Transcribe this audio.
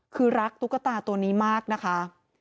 คือรักตุ๊กตาตัวนี้มากนะคะ